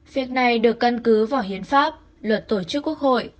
việc này được căn cứ vào hiến pháp luật tổ chức quốc hội